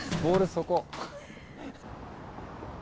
そこ。